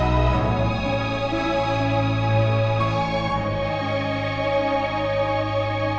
kamu sudah selesaisecond